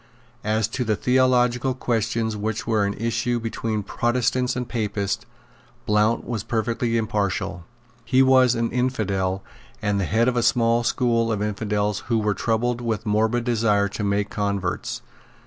As to the theological questions which were in issue between Protestants and Papists, Blount was perfectly impartial. He was an infidel, and the head of a small school of infidels who were troubled with a morbid desire to make converts.